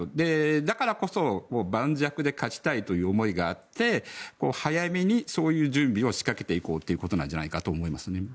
だからこそ、盤石で勝ちたいという思いがあって早めにそういう準備を仕掛けていこうということなんじゃないかなと思います。